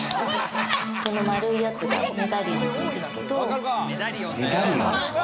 この丸いやつはメダリオンというんですけれども。